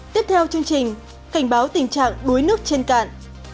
tiếp theo chương trình cảnh báo tình trạng đuối nước trên cạn